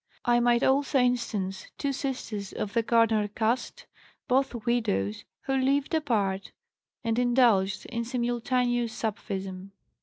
I might also instance two sisters of the gardener caste, both widows, who 'lived apart' and indulged in simultaneous sapphism.